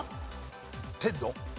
『テッド』。